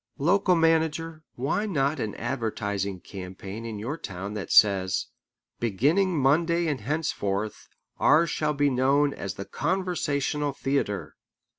Local manager, why not an advertising campaign in your town that says: "Beginning Monday and henceforth, ours shall be known as the Conversational Theatre"?